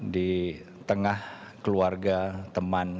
di tengah keluarga teman